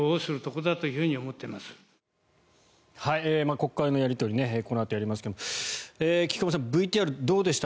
国会のやり取りこのあとやりますが菊間さん、ＶＴＲどうでした？